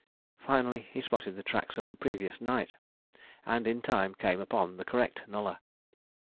Finally he spotted the tracks of the previous night, and in time came upon the correct nullah.